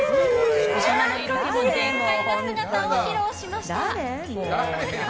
大人の色気も全開な姿を披露しました。